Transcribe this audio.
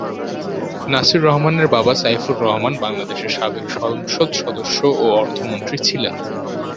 নাসির রহমানের বাবা সাইফুর রহমান, বাংলাদেশের সাবেক সংসদ সদস্য ও অর্থমন্ত্রী ছিলেন।